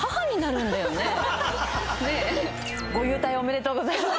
ご勇退おめでとうございます。